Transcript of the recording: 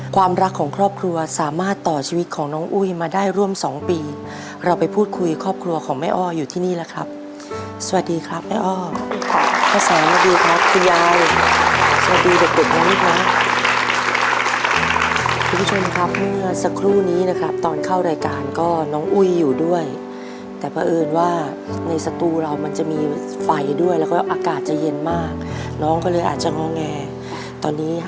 ความรักของครอบครัวสามารถต่อชีวิตของน้องอุ้ยมาได้ร่วมสองปี